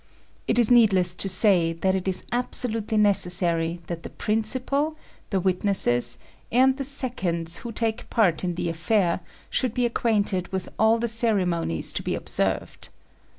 It is needless to say that it is absolutely necessary that the principal, the witnesses, and the seconds who take part in the affair should be acquainted with all the ceremonies to be observed.